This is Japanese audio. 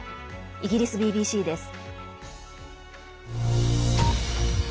イギリスＢＢＣです。